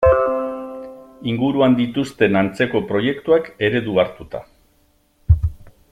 Inguruan dituzten antzeko proiektuak eredu hartuta.